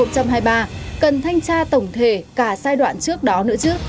cần thanh tra tổng thể cả giai đoạn trước đó nữa trước